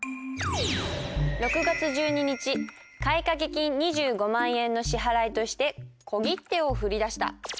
６月１２日買掛金２５万円の支払いとして小切手を振り出した。